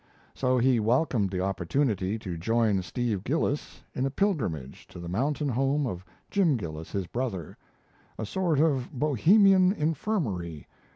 So he welcomed the opportunity to join Steve Gillis in a pilgrimage to the mountain home of Jim Gillis, his brother a "sort of Bohemian infirmary."